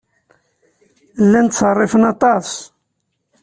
Llan ttṣerrifen aṭas.